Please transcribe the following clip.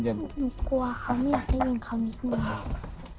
หนูกลัวเขาไม่อยากได้เงินเขานิดนึง